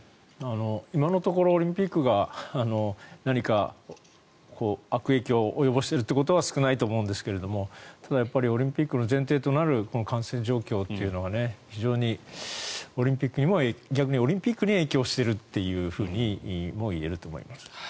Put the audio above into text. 今のところオリンピックが何か悪影響を及ぼしているということは少ないと思うんですがやっぱりオリンピックの前提となる感染状況というのが非常にオリンピックに逆に影響しているともいえると思います。